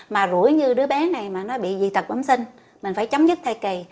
mà rủi như đứa bé này mà nó bị dị tật bấm sinh mình phải chấm dứt thai kỳ